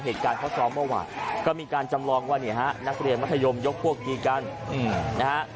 เหตุการณ์เขาซ้อมเมื่อวานก็มีการจำลองว่าเนี่ยฮะนักเรียนมัธยมยกพวกตีกันนะฮะ